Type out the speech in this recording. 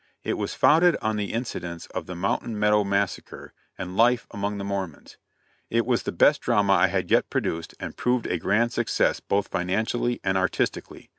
It was founded on the incidents of the "Mountain Meadow Massacre," and life among the Mormons. It was the best drama I had yet produced, and proved a grand success both financially and artistically.